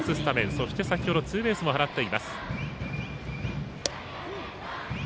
そして先ほどツーベースも放っています。